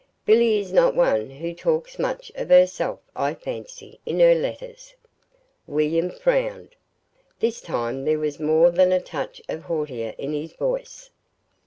"Billy is not one who talks much of herself, I fancy, in her letters." William frowned. This time there was more than a touch of hauteur in his voice.